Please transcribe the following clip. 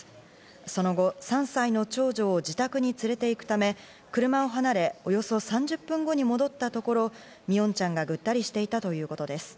その後、３歳の長女を自宅に連れて行くため、車を離れ、およそ３０分後に戻ったところ、三櫻音ちゃんがぐったりしていたということです。